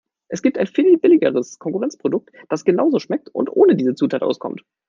Es gibt ein viel billigeres Konkurrenzprodukt, das genauso schmeckt und ohne diese Zutat auskommt.